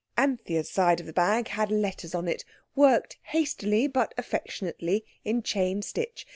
Anthea's side of the bag had letters on it—worked hastily but affectionately in chain stitch.